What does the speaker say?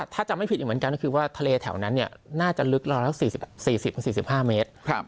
ถ้าจำไม่ผิดอีกเหมือนกันก็คือว่าทะเลแถวนั้นน่าจะลึกราวสัก๔๐๔๕เมตร